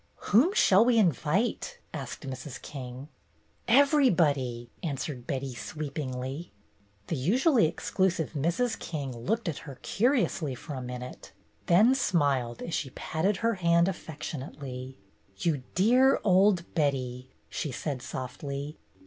"Whom shall we invite?" asked Mrs. King. "Everybody!" answered Betty, sweepingly. 44 BETTY BAIRD'S GOLDEN YEAR The usually exclusive Mrs. King looked at her curiously for a minute, then smiled as she patted her hand affectionately. "You dear old Betty!'' she said softly.